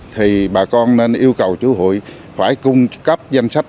thì bà con nên yêu cầu chủ hụi phải cung cấp danh sách